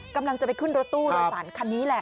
กำลังจะไปขึ้นรถตู้โดยสารคันนี้แหละ